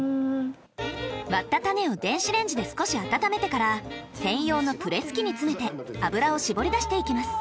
割った種を電子レンジで少し温めてから専用のプレス機に詰めて油を搾り出していきます。